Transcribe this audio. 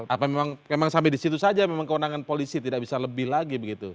apa memang sampai di situ saja memang kewenangan polisi tidak bisa lebih lagi begitu